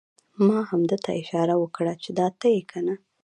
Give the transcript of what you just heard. ما همده ته اشاره وکړه چې دا ته یې کنه؟!